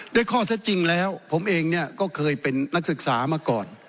ด้วยข้อเท็จจริงแล้วผมเองเนี่ยก็เคยเป็นนักศึกษามาก่อน